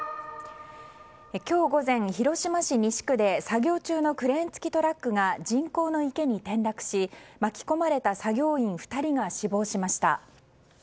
今日午前、広島市西区で作業中のクレーン付きトラックが人工の池に転落し巻き込まれた作業員２人が死亡しました。